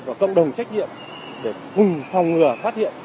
và cộng đồng trách nhiệm để cùng phòng ngừa phát hiện